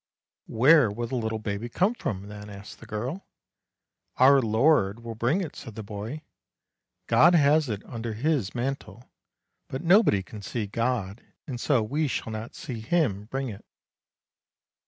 ' Where will the little baby come from then? ' asked the girl. Our Lord will bring it,' said the boy. ' God has it under His mantle; but nobody can see God, and so we shall not see Him bring it.'